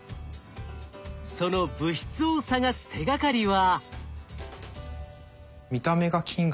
その物質を探す手がかりは。